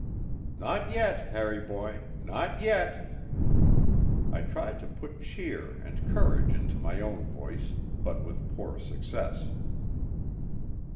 "Not yet, Harry boy; not yet." I tried to put cheer and courage into my own voice, but with poor success.